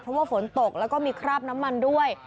เพราะว่าฝนตกแล้วก็มีคราบน้ำมันด้วย